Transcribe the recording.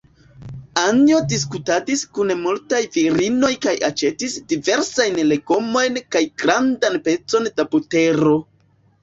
Anjo diskutadis kun multaj virinoj kaj aĉetis diversajn legomojn kaj grandan pecon da butero.